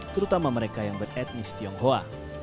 terutama mereka yang beretnis tionghoa